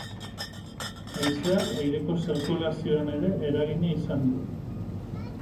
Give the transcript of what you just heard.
Haizeak aireko zirkulazioan ere eragina izan du.